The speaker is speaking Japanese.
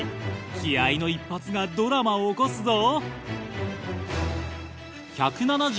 気合の一発がドラマを起こすぞ。